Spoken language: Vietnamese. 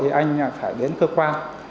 thì anh phải đến cơ quan